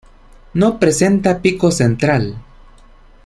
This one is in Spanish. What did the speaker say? No presenta pico central.